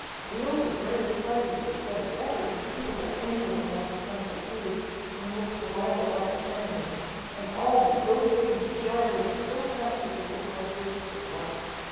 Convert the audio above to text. Wheels of various sizes were set at every conceivable angle around the central tube, from which the violet light was emanating, and all were rotating and gyrating so fast that they looked like discs of light.